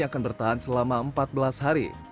akan bertahan selama empat belas hari